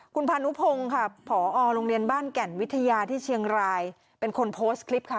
คุณพานุพงศ์ค่ะผอโรงเรียนบ้านแก่นวิทยาที่เชียงรายเป็นคนโพสต์คลิปค่ะ